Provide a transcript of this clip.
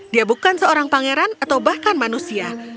dia bukan seorang pangeran atau bahkan manusia